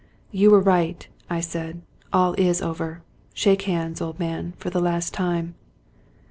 " You were right," I said. " All is over. Shake hands, old man, for the last time."